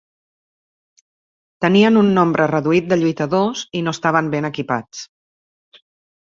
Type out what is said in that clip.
Tenien un nombre reduït de lluitadors i no estaven ben equipats.